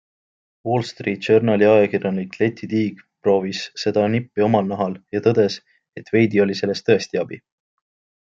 Wall Street Journali ajakirjanik Lettie Teague proovis seda nippi oma nahal ja tõdes, et veidi oli sellest tõesti abi.